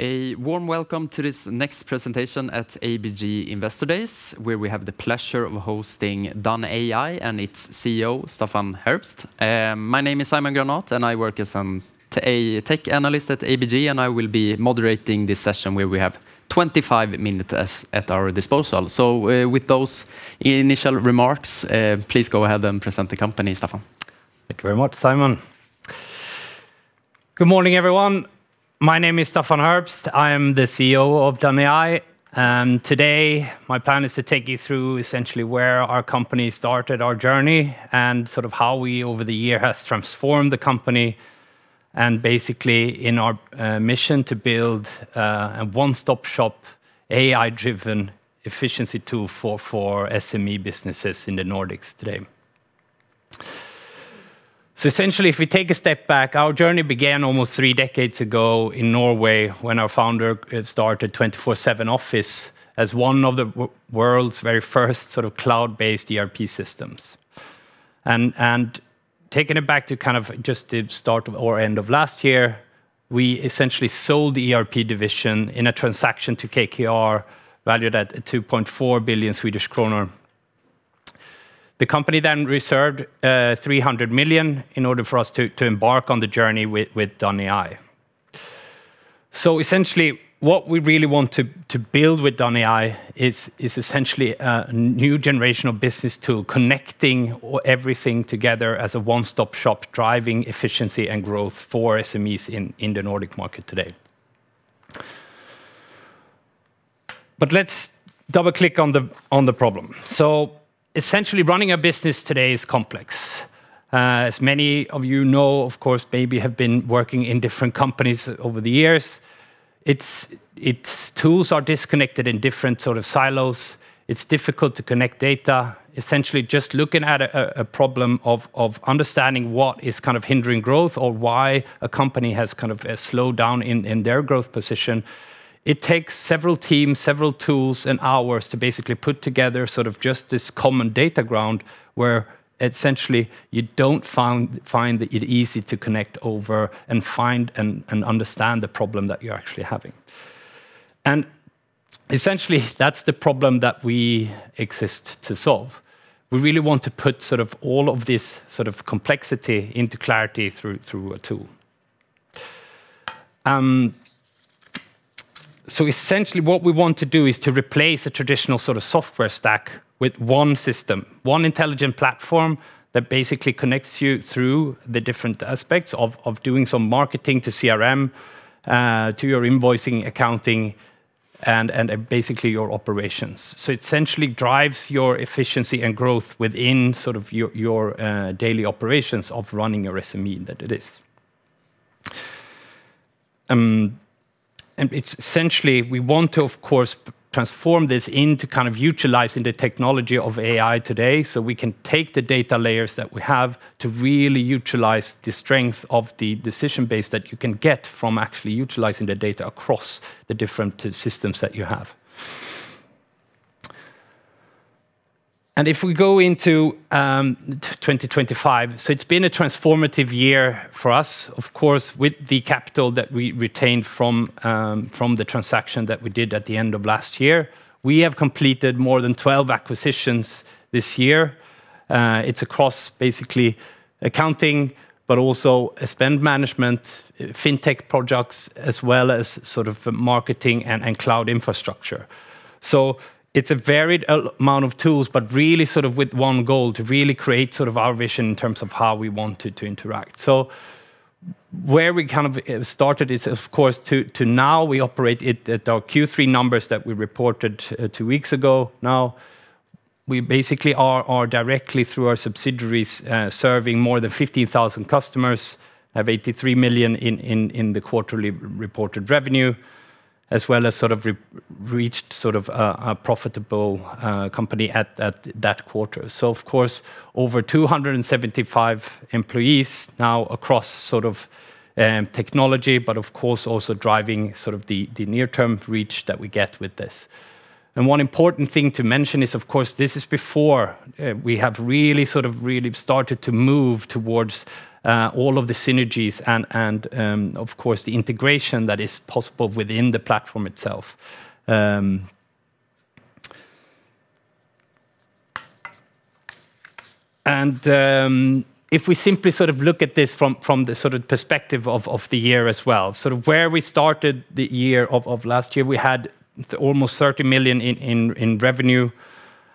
A warm welcome to this next presentation at ABG Investor Days, where we have the pleasure of hosting Done.ai and its CEO, Staffan Herbst. My name is Simon Granath, and I work as a Tech Analyst at ABG, and I will be moderating this session where we have 25 minutes at our disposal. With those initial remarks, please go ahead and present the company, Staffan. Thank you very much, Simon. Good morning, everyone. My name is Staffan Herbst. I am the CEO of Done.ai. Today, my plan is to take you through essentially where our company started our journey and sort of how we, over the years, have transformed the company and basically in our mission to build a one-stop-shop AI-driven efficiency tool for SME businesses in the Nordics today. If we take a step back, our journey began almost three decades ago in Norway when our founder started 24SevenOffice as one of the world's very first sort of cloud-based ERP systems. Taking it back to just the start or end of last year, we essentially sold the ERP division in a transaction to KKR valued at 2.4 billion Swedish kronor. The company then reserved 300 million in order for us to embark on the journey with Done.ai. Essentially, what we really want to build with Done.ai is essentially a new generation of business tool connecting everything together as a one-stop-shop driving efficiency and growth for SMEs in the Nordic market today. Let's double-click on the problem. Essentially, running a business today is complex. As many of you know, of course, maybe have been working in different companies over the years, its tools are disconnected in different sort of silos. It's difficult to connect data. Essentially, just looking at a problem of understanding what is kind of hindering growth or why a company has kind of slowed down in their growth position, it takes several teams, several tools, and hours to basically put together sort of just this common data ground where essentially you don't find it easy to connect over and find and understand the problem that you're actually having. Essentially, that's the problem that we exist to solve. We really want to put sort of all of this sort of complexity into clarity through a tool. Essentially, what we want to do is to replace a traditional sort of software stack with one system, one intelligent platform that basically connects you through the different aspects of doing some marketing to CRM, to your invoicing, accounting, and basically your operations. It essentially drives your efficiency and growth within sort of your daily operations of running your SME that it is. Essentially, we want to, of course, transform this into kind of utilizing the technology of AI today so we can take the data layers that we have to really utilize the strength of the decision base that you can get from actually utilizing the data across the different systems that you have. If we go into 2025, it has been a transformative year for us, of course, with the capital that we retained from the transaction that we did at the end of last year. We have completed more than 12 acquisitions this year. It is across basically accounting, but also spend management, fintech projects, as well as marketing and cloud infrastructure. It is a varied amount of tools, but really with one goal to really create our vision in terms of how we want to interact. Where we kind of started is, of course, to now we operate at our Q3 numbers that we reported two weeks ago. Now, we basically are directly through our subsidiaries serving more than 15,000 customers, have 83 million in the quarterly reported revenue, as well as reached a profitable company at that quarter. Of course, over 275 employees now across sort of technology, but of course, also driving sort of the near-term reach that we get with this. One important thing to mention is, of course, this is before we have really sort of really started to move towards all of the synergies and, of course, the integration that is possible within the platform itself. If we simply sort of look at this from the sort of perspective of the year as well, sort of where we started the year of last year, we had almost 30 million in revenue.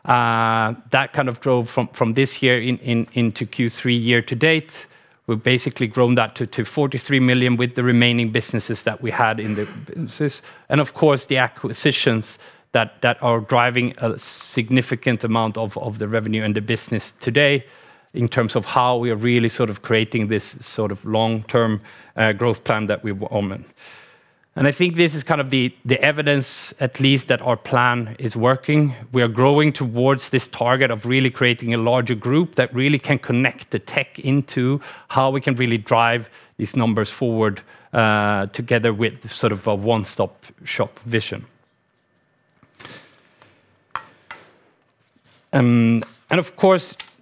That kind of drove from this year into Q3 year to date. We have basically grown that to 43 million with the remaining businesses that we had in the businesses. Of course, the acquisitions that are driving a significant amount of the revenue and the business today in terms of how we are really sort of creating this sort of long-term growth plan that we were on. I think this is kind of the evidence, at least, that our plan is working. We are growing towards this target of really creating a larger group that really can connect the tech into how we can really drive these numbers forward together with sort of a one-stop-shop vision.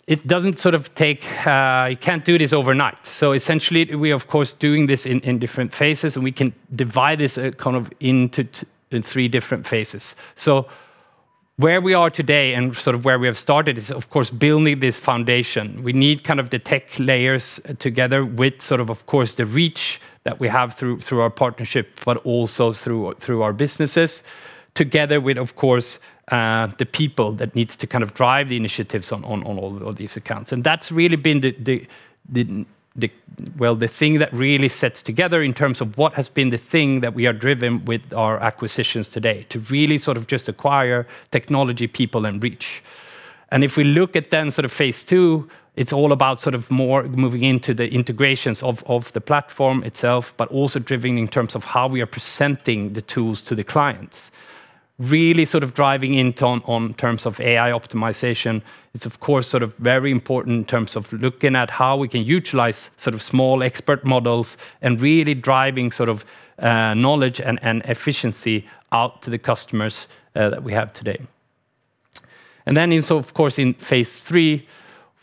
It does not sort of take you cannot do this overnight. Essentially, we are, of course, doing this in different phases, and we can divide this kind of into three different phases. Where we are today and sort of where we have started is, of course, building this foundation. We need kind of the tech layers together with, of course, the reach that we have through our partnership, but also through our businesses, together with, of course, the people that need to kind of drive the initiatives on all of these accounts. That is really been the thing that really sets together in terms of what has been the thing that we are driven with our acquisitions today to really sort of just acquire technology, people, and reach. If we look at then sort of phase II, it is all about more moving into the integrations of the platform itself, but also driving in terms of how we are presenting the tools to the clients. Really sort of driving into on terms of AI optimization, it's, of course, sort of very important in terms of looking at how we can utilize sort of small expert models and really driving sort of knowledge and efficiency out to the customers that we have today. Of course, in phase III,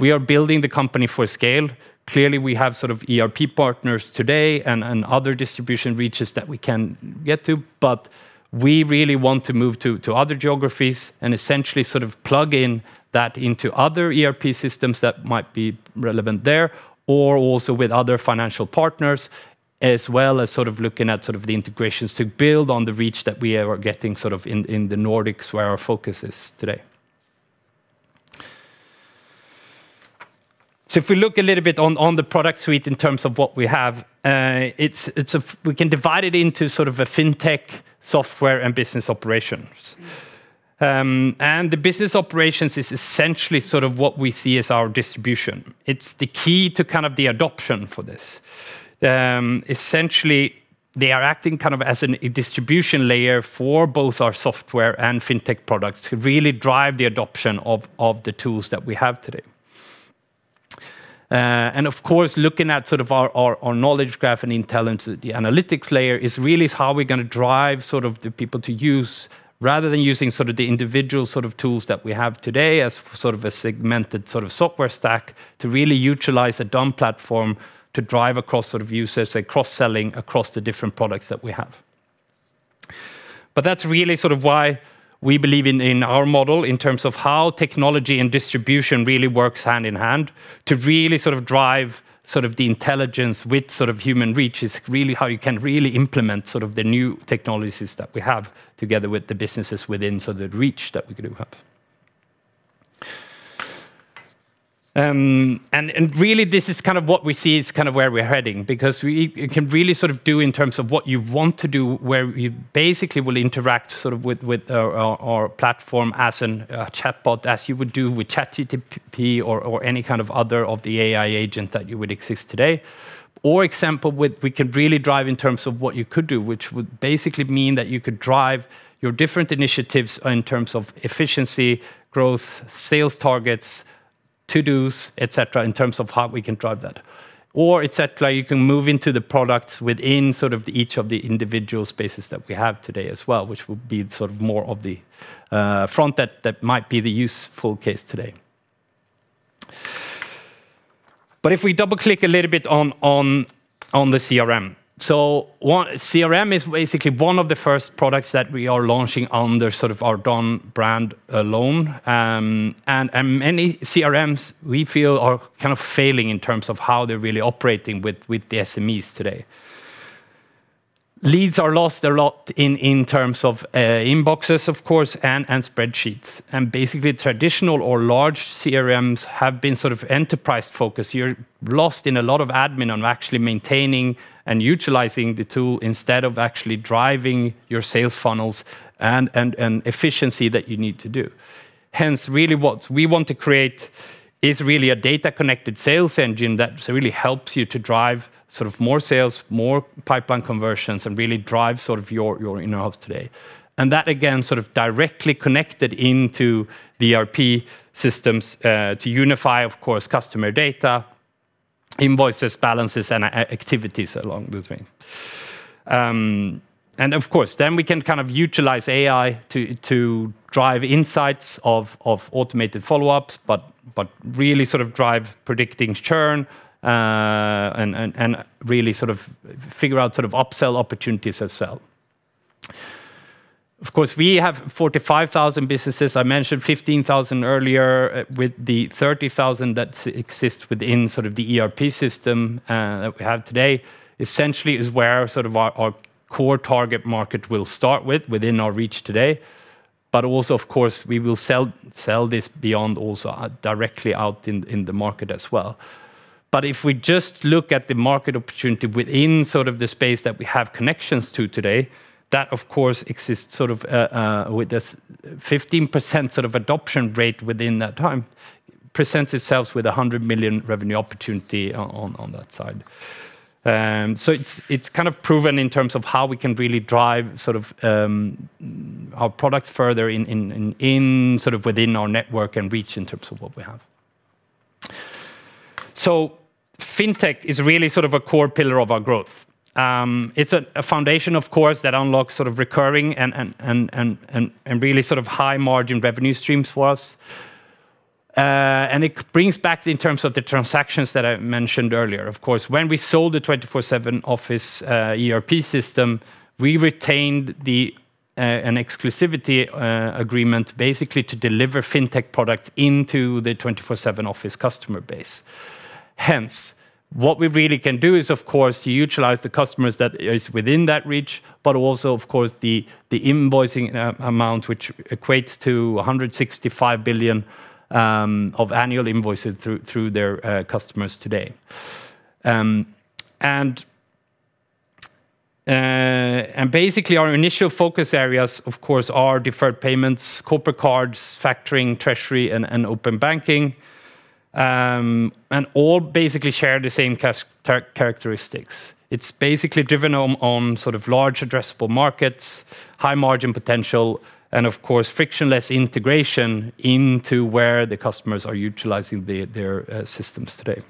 we are building the company for scale. Clearly, we have sort of ERP partners today and other distribution reaches that we can get to, but we really want to move to other geographies and essentially sort of plug in that into other ERP systems that might be relevant there or also with other financial partners, as well as sort of looking at sort of the integrations to build on the reach that we are getting sort of in the Nordics where our focus is today. If we look a little bit on the product suite in terms of what we have, we can divide it into sort of a fintech software and business operations. The business operations is essentially sort of what we see as our distribution. It's the key to kind of the adoption for this. Essentially, they are acting kind of as a distribution layer for both our software and fintech products to really drive the adoption of the tools that we have today. Of course, looking at sort of our knowledge graph and intelligence, the analytics layer is really how we're going to drive sort of the people to use rather than using sort of the individual sort of tools that we have today as sort of a segmented sort of software stack to really utilize a Done platform to drive across sort of users, say, cross-selling across the different products that we have. That is really sort of why we believe in our model in terms of how technology and distribution really works hand in hand to really sort of drive sort of the intelligence with sort of human reach is really how you can really implement sort of the new technologies that we have together with the businesses within sort of the reach that we do have. This is kind of what we see is kind of where we're heading because we can really sort of do in terms of what you want to do where you basically will interact sort of with our platform as a chatbot as you would do with ChatGPT or any kind of other of the AI agent that you would exist today. For example, we can really drive in terms of what you could do, which would basically mean that you could drive your different initiatives in terms of efficiency, growth, sales targets, to-dos, etc., in terms of how we can drive that or etc., you can move into the products within sort of each of the individual spaces that we have today as well, which would be sort of more of the front that might be the useful case today. If we double-click a little bit on the CRM, so CRM is basically one of the first products that we are launching under sort of our Done brand alone. Many CRMs we feel are kind of failing in terms of how they're really operating with the SMEs today. Leads are lost a lot in terms of inboxes, of course, and spreadsheets. Basically, traditional or large CRMs have been sort of enterprise-focused. You're lost in a lot of admin on actually maintaining and utilizing the tool instead of actually driving your sales funnels and efficiency that you need to do. Hence, really what we want to create is really a data-connected sales engine that really helps you to drive sort of more sales, more pipeline conversions, and really drive sort of your in-house today. That, again, is sort of directly connected into the ERP systems to unify, of course, customer data, invoices, balances, and activities along the way. Of course, we can kind of utilize AI to drive insights of automated follow-ups, but really sort of drive predicting churn and really sort of figure out sort of upsell opportunities as well. Of course, we have 45,000 businesses. I mentioned 15,000 earlier with the 30,000 that exist within sort of the ERP system that we have today essentially is where sort of our core target market will start with within our reach today. Also, of course, we will sell this beyond also directly out in the market as well. If we just look at the market opportunity within sort of the space that we have connections to today, that, of course, exists with this 15% adoption rate within that time presents itself with a 100 million revenue opportunity on that side. It is kind of proven in terms of how we can really drive our products further within our network and reach in terms of what we have. Fintech is really a core pillar of our growth. It is a foundation, of course, that unlocks recurring and really high-margin revenue streams for us. It brings back in terms of the transactions that I mentioned earlier. Of course, when we sold the 24SevenOffice ERP system, we retained an exclusivity agreement basically to deliver fintech products into the 24SevenOffice customer base. Hence, what we really can do is, of course, utilize the customers that are within that reach, but also, of course, the invoicing amount, which equates to 165 billion of annual invoices through their customers today. Basically, our initial focus areas, of course, are deferred payments, corporate cards, factoring, treasury, and open banking, and all basically share the same characteristics. It is basically driven on sort of large addressable markets, high-margin potential, and, of course, frictionless integration into where the customers are utilizing their systems today.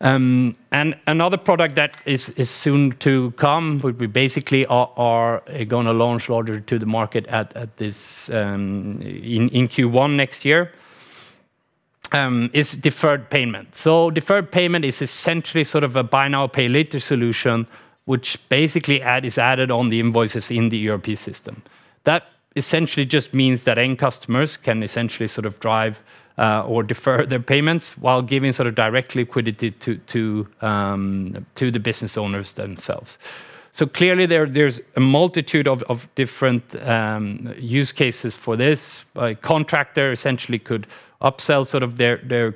Another product that is soon to come, we basically are going to launch larger to the market in Q1 next year, is Deferred Payment. Deferred Payment is essentially sort of a buy now, pay later solution, which basically is added on the invoices in the ERP system. That essentially just means that end customers can essentially sort of drive or defer their payments while giving sort of direct liquidity to the business owners themselves. Clearly, there's a multitude of different use cases for this. A contractor essentially could upsell sort of their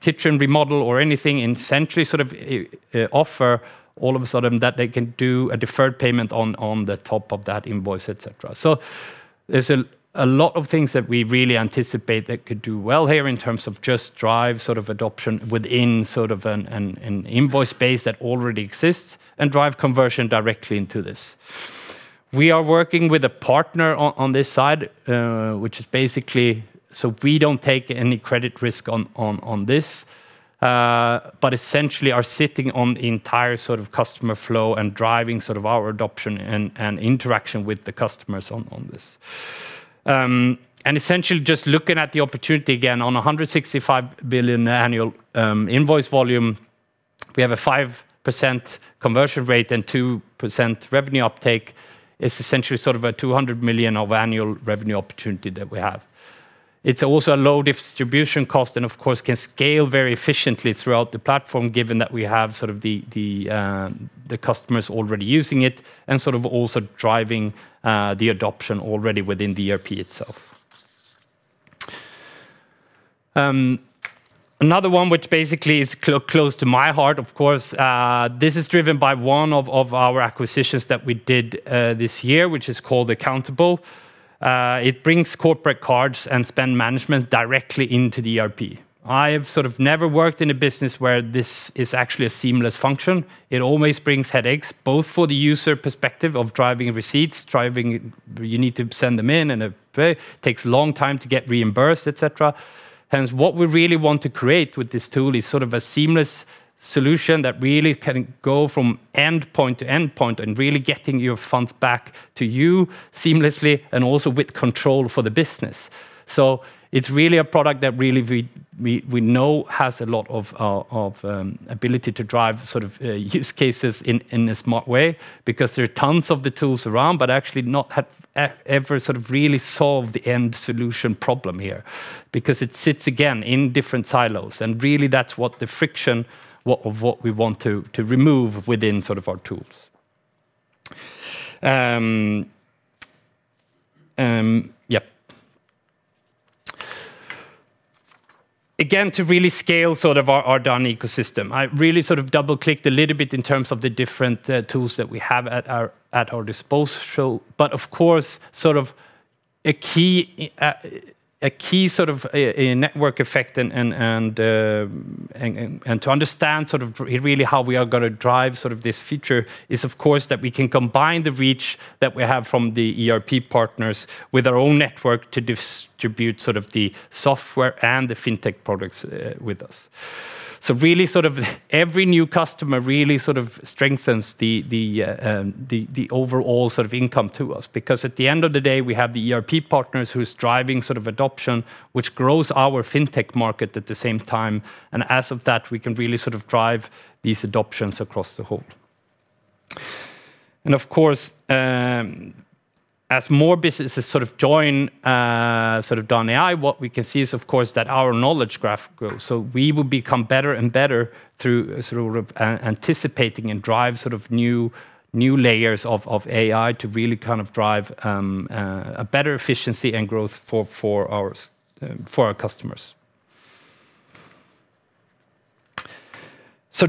kitchen remodel or anything and essentially sort of offer all of a sudden that they can do a deferred payment on the top of that invoice, etc. There's a lot of things that we really anticipate that could do well here in terms of just drive sort of adoption within sort of an invoice base that already exists and drive conversion directly into this. We are working with a partner on this side, which is basically so we do not take any credit risk on this, but essentially are sitting on the entire sort of customer flow and driving sort of our adoption and interaction with the customers on this. Essentially just looking at the opportunity again on 165 billion annual invoice volume, we have a 5% conversion rate and 2% revenue uptake. It is essentially sort of a 200 million of annual revenue opportunity that we have. It is also a low distribution cost and, of course, can scale very efficiently throughout the platform given that we have sort of the customers already using it and sort of also driving the adoption already within the ERP itself. Another one, which basically is close to my heart, of course, this is driven by one of our acquisitions that we did this year, which is called Accountable. It brings corporate cards and spend management directly into the ERP. I have sort of never worked in a business where this is actually a seamless function. It always brings headaches both for the user perspective of driving receipts, driving you need to send them in and it takes a long time to get reimbursed, etc. Hence, what we really want to create with this tool is sort of a seamless solution that really can go from endpoint to endpoint and really getting your funds back to you seamlessly and also with control for the business. It is really a product that really we know has a lot of ability to drive sort of use cases in a smart way because there are tons of the tools around, but actually not ever sort of really solve the end solution problem here because it sits again in different silos. That is really what the friction of what we want to remove within sort of our tools. Yep. Again, to really scale sort of our Done ecosystem, I really sort of double-clicked a little bit in terms of the different tools that we have at our disposal. Of course, a key sort of network effect and to understand sort of really how we are going to drive sort of this feature is, of course, that we can combine the reach that we have from the ERP partners with our own network to distribute the software and the fintech products with us. Really sort of every new customer really sort of strengthens the overall sort of income to us because at the end of the day, we have the ERP partners who are driving sort of adoption, which grows our fintech market at the same time. As of that, we can really sort of drive these adoptions across the whole. Of course, as more businesses sort of join sort of Done.ai, what we can see is, of course, that our knowledge graph grows. We will become better and better through sort of anticipating and drive sort of new layers of AI to really kind of drive a better efficiency and growth for our customers.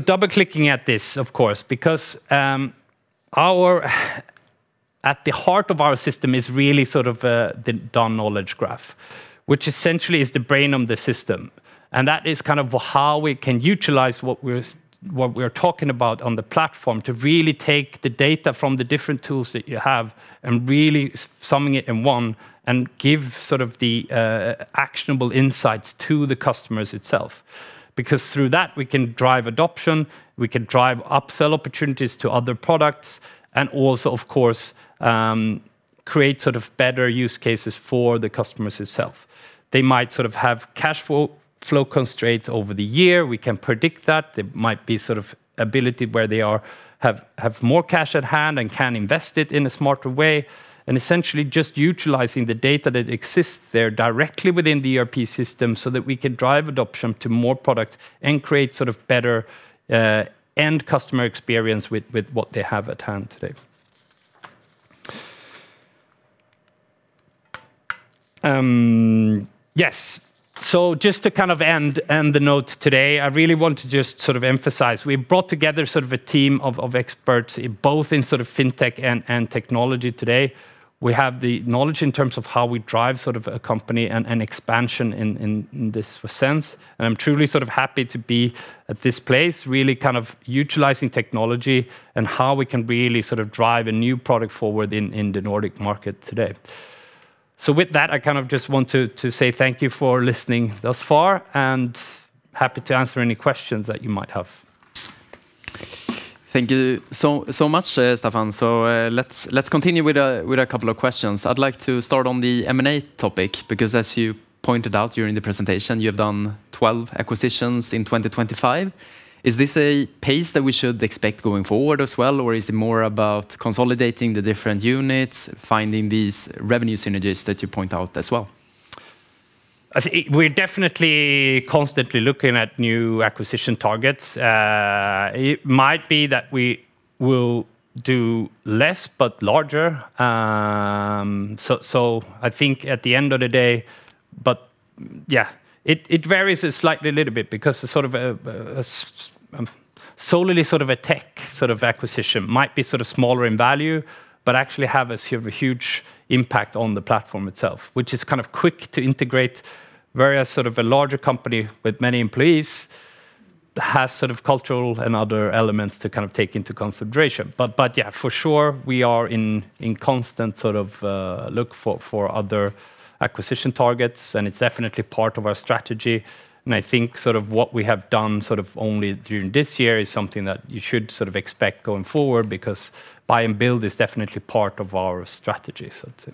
Double-clicking at this, of course, because at the heart of our system is really sort of the Done knowledge graph, which essentially is the brain of the system. That is kind of how we can utilize what we're talking about on the platform to really take the data from the different tools that you have and really summing it in one and give sort of the actionable insights to the customers itself. Because through that, we can drive adoption, we can drive upsell opportunities to other products, and also, of course, create sort of better use cases for the customers itself. They might sort of have cash flow constraints over the year. We can predict that. There might be sort of ability where they have more cash at hand and can invest it in a smarter way. Essentially just utilizing the data that exists there directly within the ERP system so that we can drive adoption to more products and create sort of better end customer experience with what they have at hand today. Yes. Just to kind of end the note today, I really want to just sort of emphasize we brought together sort of a team of experts both in sort of fintech and technology today. We have the knowledge in terms of how we drive sort of a company and expansion in this sense. I'm truly sort of happy to be at this place, really kind of utilizing technology and how we can really sort of drive a new product forward in the Nordic market today. With that, I kind of just want to say thank you for listening thus far and happy to answer any questions that you might have. Thank you so much, Staffan. Let's continue with a couple of questions. I'd like to start on the M&A topic because as you pointed out during the presentation, you have done 12 acquisitions in 2025. Is this a pace that we should expect going forward as well, or is it more about consolidating the different units, finding these revenue synergies that you point out as well? We're definitely constantly looking at new acquisition targets. It might be that we will do less, but larger. I think at the end of the day, yeah, it varies slightly a little bit because sort of solely sort of a tech sort of acquisition might be smaller in value, but actually have a huge impact on the platform itself, which is kind of quick to integrate whereas a larger company with many employees has cultural and other elements to kind of take into consideration. Yeah, for sure, we are in constant sort of look for other acquisition targets, and it's definitely part of our strategy. I think sort of what we have done sort of only during this year is something that you should sort of expect going forward because buy and build is definitely part of our strategy, so to say.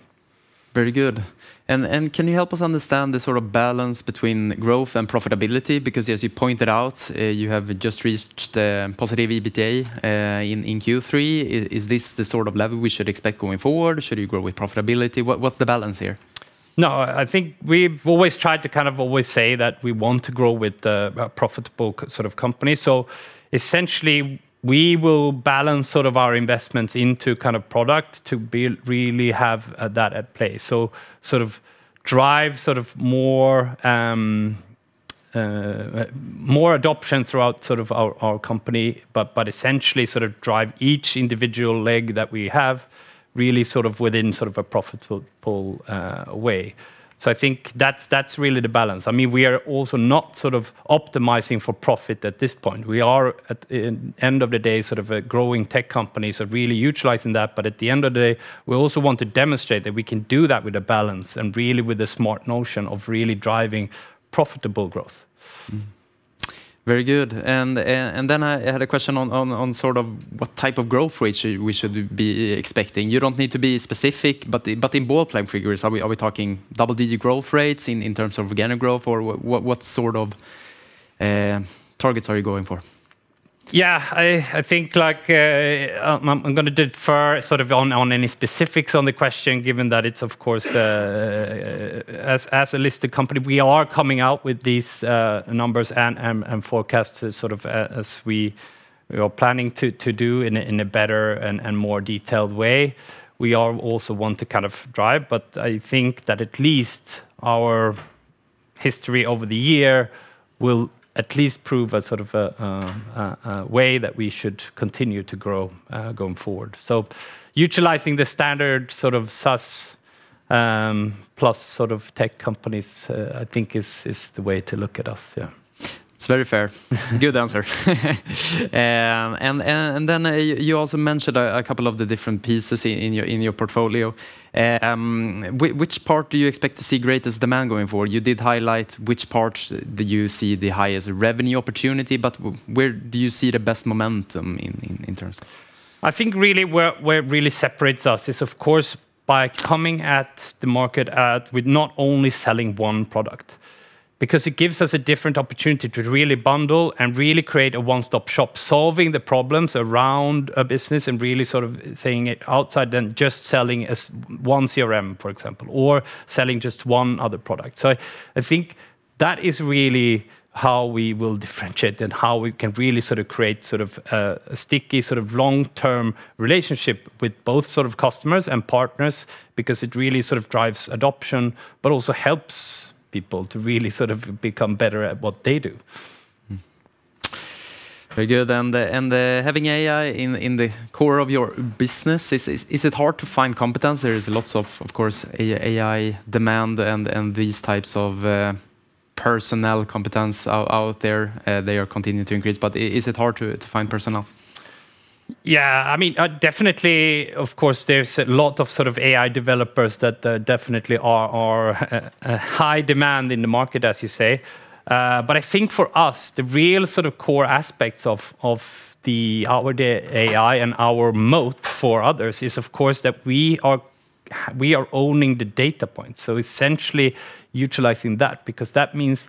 Very good. Can you help us understand the sort of balance between growth and profitability? Because as you pointed out, you have just reached positive EBITDA in Q3. Is this the sort of level we should expect going forward? Should you grow with profitability? What's the balance here? No, I think we've always tried to kind of always say that we want to grow with a profitable sort of company. Essentially, we will balance sort of our investments into kind of product to really have that at play. Sort of drive sort of more adoption throughout sort of our company, but essentially sort of drive each individual leg that we have really sort of within sort of a profitable way. I think that's really the balance. I mean, we are also not sort of optimizing for profit at this point. We are, at the end of the day, sort of a growing tech company. Really utilizing that. At the end of the day, we also want to demonstrate that we can do that with a balance and really with a smart notion of really driving profitable growth. Very good. I had a question on sort of what type of growth rates we should be expecting. You do not need to be specific, but in ballplaying figures, are we talking double-digit growth rates in terms of organic growth, or what sort of targets are you going for? Yeah, I think I am going to defer sort of on any specifics on the question, given that it is, of course, as a listed company, we are coming out with these numbers and forecasts sort of as we are planning to do in a better and more detailed way. We also want to kind of drive, but I think that at least our history over the year will at least prove a sort of a way that we should continue to grow going forward. Utilizing the standard sort of SaaS plus sort of tech companies, I think is the way to look at us. Yeah. It is very fair. Good answer. You also mentioned a couple of the different pieces in your portfolio. Which part do you expect to see greatest demand going forward? You did highlight which parts do you see the highest revenue opportunity, but where do you see the best momentum in terms of? I think really where it really separates us is, of course, by coming at the market with not only selling one product, because it gives us a different opportunity to really bundle and really create a one-stop shop, solving the problems around a business and really sort of saying it outside than just selling one CRM, for example, or selling just one other product. I think that is really how we will differentiate and how we can really sort of create sort of a sticky sort of long-term relationship with both sort of customers and partners because it really sort of drives adoption, but also helps people to really sort of become better at what they do. Very good. Having AI in the core of your business, is it hard to find competence? There is lots of, of course, AI demand and these types of personnel competence out there. They are continuing to increase, but is it hard to find personnel? Yeah, I mean, definitely, of course, there's a lot of sort of AI developers that definitely are high demand in the market, as you say. I think for us, the real sort of core aspects of our AI and our moat for others is, of course, that we are owning the data points. Essentially utilizing that because that means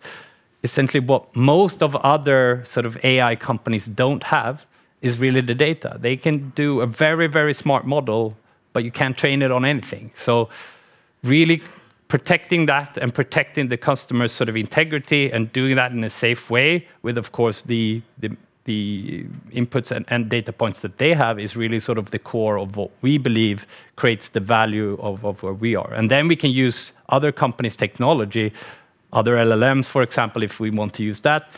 essentially what most of other sort of AI companies do not have is really the data. They can do a very, very smart model, but you cannot train it on anything. Really protecting that and protecting the customer's sort of integrity and doing that in a safe way with, of course, the inputs and data points that they have is really sort of the core of what we believe creates the value of where we are. We can use other companies' technology, other LLMs, for example, if we want to use that,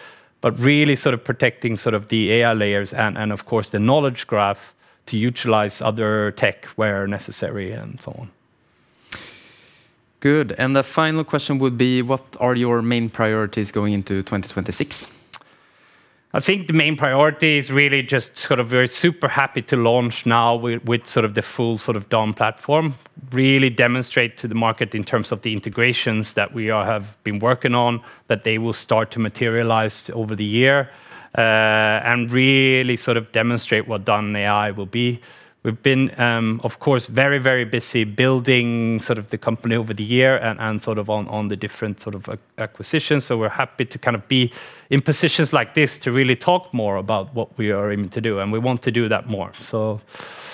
but really sort of protecting the AI layers and, of course, the knowledge graph to utilize other tech where necessary and so on. Good. The final question would be, what are your main priorities going into 2026? I think the main priority is really just sort of we're super happy to launch now with the full Done platform, really demonstrate to the market in terms of the integrations that we have been working on, that they will start to materialize over the year and really demonstrate what Done.ai will be. We've been, of course, very, very busy building the company over the year and on the different acquisitions. We are happy to kind of be in positions like this to really talk more about what we are aiming to do, and we want to do that more. That is.